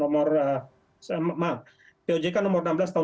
dari ojk pun sudah membuat koridor koridor dan aturan aturan